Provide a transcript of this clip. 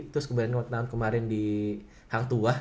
terus kemarin di hang tuah